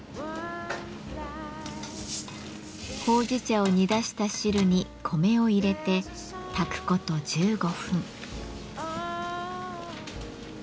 ほうじ茶を煮出した汁に米を入れて炊くこと１５分。